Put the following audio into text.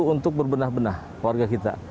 itu untuk berbenah benah keluarga kita